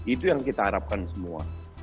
itu yang kita harapkan semua